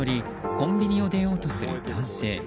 コンビニを出ようとする男性。